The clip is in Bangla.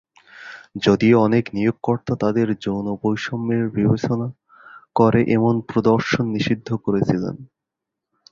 যদিও অনেক নিয়োগকর্তা তাদেরকে যৌন বৈষম্যের বিবেচনা করে এমন প্রদর্শন নিষিদ্ধ করেছিলেন।